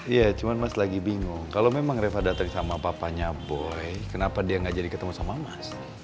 iya cuman mas lagi bingung kalau memang reva datang sama papanya boy kenapa dia gak jadi ketemu sama mas